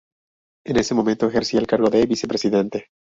En ese momento ejercía el cargo de vicepresidente.